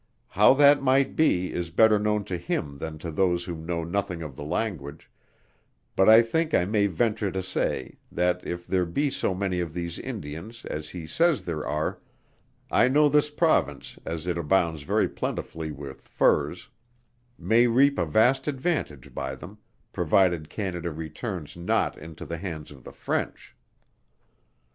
How that might be, is better known to him than to those who know nothing of the language; but I think I may venture to say, that if there be so many of these Indians, as he says there are, I know this Province, as it abounds very plentifully with furs, may reap a vast advantage by them, provided Canada returns not into the hands of the French.